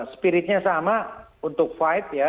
spiritnya sama untuk fight ya